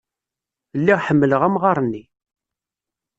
Lliɣ ḥemmleɣ amɣar-nni.